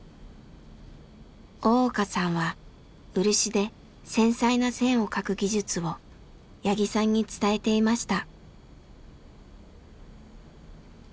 大岡さんは漆で繊細な線を描く技術を八木さんに伝えていました。